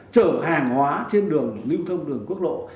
chở hàng hóa trên đường lưu thông đường quốc lộ